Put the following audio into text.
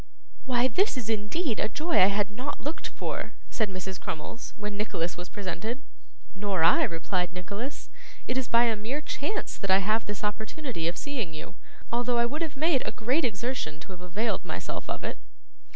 'Why this is indeed a joy I had not looked for!' said Mrs. Crummles, when Nicholas was presented. 'Nor I,' replied Nicholas. 'It is by a mere chance that I have this opportunity of seeing you, although I would have made a great exertion to have availed myself of it.